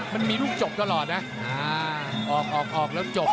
มันมีลูกจบตลอดนะออกออกแล้วจบ